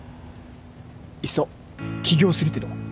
いっそ起業するってどう？